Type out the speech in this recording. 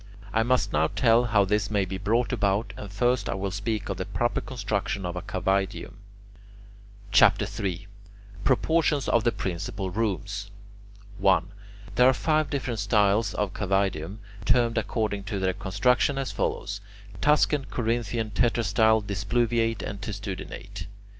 I must now tell how this may be brought about, and first I will speak of the proper construction of a cavaedium. CHAPTER III PROPORTIONS OF THE PRINCIPAL ROOMS 1. There are five different styles of cavaedium, termed according to their construction as follows: Tuscan, Corinthian, tetrastyle, displuviate, and testudinate.